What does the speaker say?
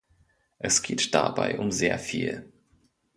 Es geht dabei um sehr viel.